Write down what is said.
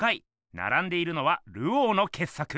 ならんでいるのはルオーのけっ作。